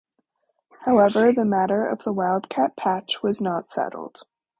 However, the matter of the wildcat patch was not settled.